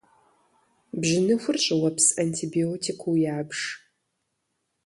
Бжьыныхур щӏыуэпс антибиотикыу ябж.